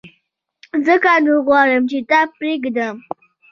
ځکه نو غواړم چي تا پرېږدم !